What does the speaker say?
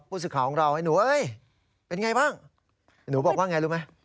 พูดสิ่งของเราเฮ้ยหนูเฮ้ยเป็นไงบ้างหนูบอกว่าง่ายังรู้ไหม